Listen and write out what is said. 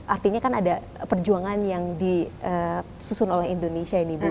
artinya kan ada perjuangan yang disusun oleh indonesia ini bu